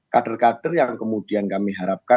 kader kader yang kemudian kami harapkan